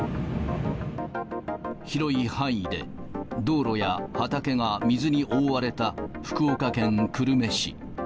広い範囲で道路や畑が水に覆われた福岡県の久留米市。